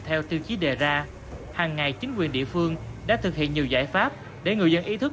theo tiêu chí đề ra hàng ngày chính quyền địa phương đã thực hiện nhiều giải pháp để người dân ý thức